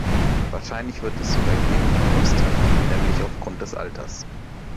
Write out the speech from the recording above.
Wahrscheinlich wird es sogar jeden von uns treffen, nämlich aufgrund des Alters.